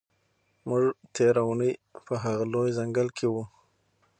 موږ تېره اونۍ په هغه لوی ځنګل کې وو.